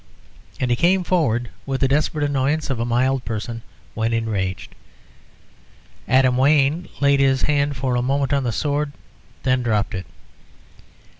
And he came forward with the desperate annoyance of a mild person when enraged. Adam Wayne laid his hand for a moment on the sword, then dropped it.